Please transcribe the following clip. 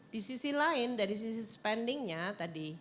di sisi lain dari sisi spendingnya tadi